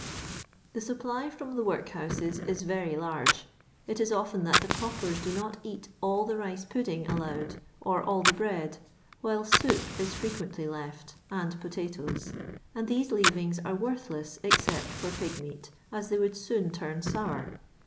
The snpply from the workhouses is very large. It is often that the paupers do not eat all the rioe^udding allowed, or all the bread, while soup is frequently left, and potatoes ; and these leavings are worthies, except for pig meat, as they would toon torn sour.